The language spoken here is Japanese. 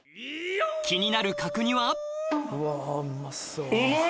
気になる角煮はうまい！